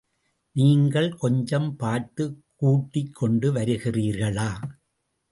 நீங்கள் கொஞ்சம் பார்த்துக் கூட்டிக் கொண்டு வருகிறீர்களா?